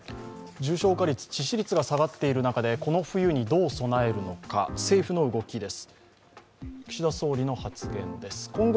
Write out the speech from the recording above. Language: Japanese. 重症化率、致死率が下がっている中で、この冬にどう備えるのか政府の動きです。